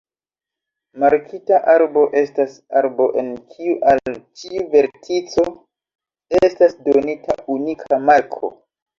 Markita arbo estas arbo en kiu al ĉiu vertico estas donita unika marko.